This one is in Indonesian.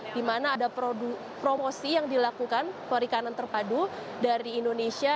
di mana ada promosi yang dilakukan perikanan terpadu dari indonesia